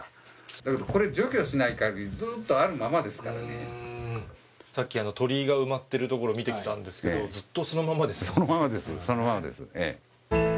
だけどこれ、除去しないかぎり、さっき、鳥居が埋まってる所見てきたんですけれども、ずっとそのままですそのままです、そのままです。